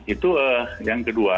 itu yang kedua